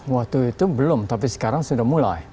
waktu itu belum tapi sekarang sudah mulai